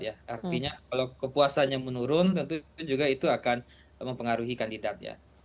artinya kalau kepuasannya menurun tentu juga itu akan mempengaruhi kandidatnya